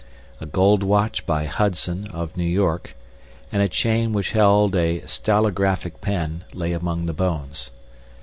A gold watch by Hudson, of New York, and a chain which held a stylographic pen, lay among the bones.